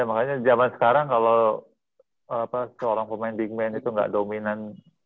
makanya zaman sekarang kalau seorang pemain big man itu nggak dominan